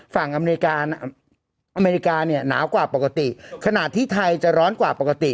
อเมริกาอเมริกาเนี่ยหนาวกว่าปกติขณะที่ไทยจะร้อนกว่าปกติ